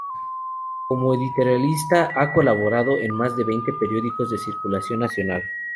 Como editorialista, ha colaborado en más de veinte periódicos de circulación nacional.